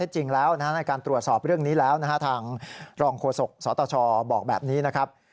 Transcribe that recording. จริงแล้วในการตรวจสอบเรื่องนี้แล้วนะฮะทางรองโฆษกสตชบอกแบบนี้นะครับ